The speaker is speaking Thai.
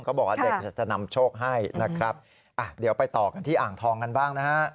บอกว่าเด็กจะนำโชคให้นะครับอ่ะเดี๋ยวไปต่อกันที่อ่างทองกันบ้างนะฮะ